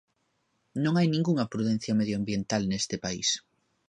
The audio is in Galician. Non hai ningunha prudencia medioambiental neste país.